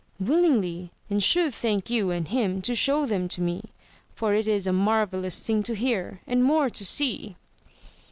Willingly, and should thank you and him to show them to me, for it is a marvellous thing to hear, and more to see.